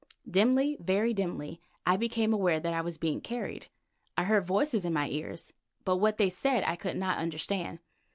Dimly, very dimly, I became aware that I was being carried. I heard voices in my ears, but what they said I could not understand.